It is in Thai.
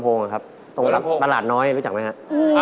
อันนั้นละโคตรด่างของเขา